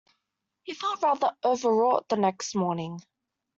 He felt rather overwrought the next morning.